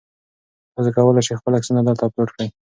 تاسي کولای شئ خپل عکسونه دلته اپلوډ کړئ.